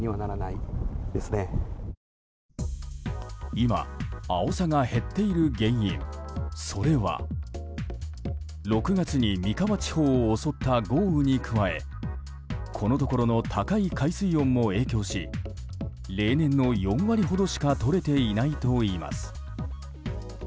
今、アオサが減っている原因それは、６月に三河地方を襲った豪雨に加えこのところの高い海水温も影響し例年の４割ほどしかとれていないといいます。